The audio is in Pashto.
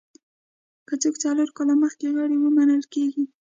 که څوک څلور کاله مخکې غړي وو منل کېږي.